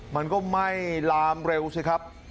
มันก็ไหม้ลามเร็วสิครับ